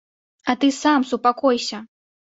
А ты сам супакойся!